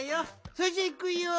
それじゃいくよ。